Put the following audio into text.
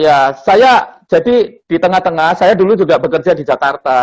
ya saya jadi di tengah tengah saya dulu juga bekerja di jakarta